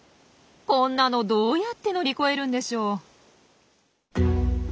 こんなのどうやって乗り越えるんでしょう。